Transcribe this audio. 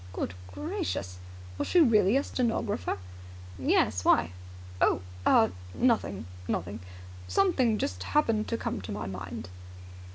"Good gracious! Was she really a stenographer?" "Yes. Why?" "Oh ah nothing, nothing. Something just happened to come to my mind."